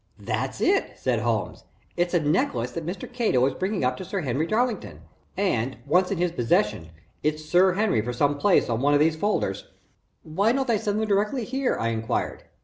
"That's it," said Holmes. "It's a necklace that Mr. Cato is bringing up to Sir Henry Darlington and, once in his possession it's Sir Henry for some place on one of these folders." "Why don't they send them directly here?" I inquired.